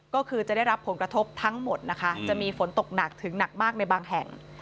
ก็คือจะได้รับผลกระทบทั้งหมดนะคะจะมีฝนตกหนักถึงหนักมากในบางแห่ง